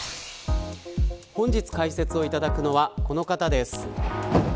本日解説をいただくのはこの方です。